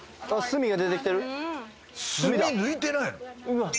墨抜いてないの？